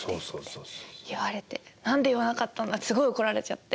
「何で言わなかったんだ」ってすごい怒られちゃって。